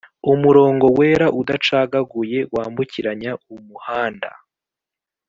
umurongo wera udacagaguye wambukiranya umuhanda.